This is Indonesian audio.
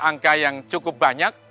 angka yang cukup banyak